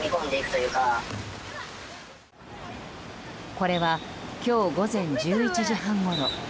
これは今日午前１１時半ごろ。